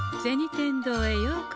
天堂へようこそ。